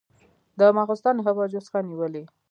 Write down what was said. د ماخوستن نهه بجو څخه نیولې.